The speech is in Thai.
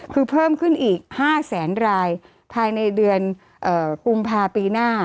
คือเพิ่มขึ้นอีก๕แสนรายภายในเดือนกุมภาปีหน้า